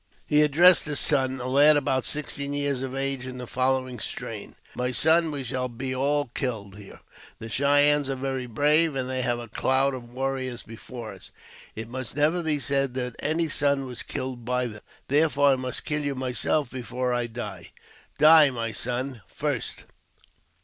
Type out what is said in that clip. He addressed his son, a lad about sixteen years of age, in the following strain: "My son, we shall be all killed here. The Cheyennes are very brave, and they have a cloud of warriors before us. It must never be said that my son was killed by them, therefore I must kill you myself before I die. Die, my son, first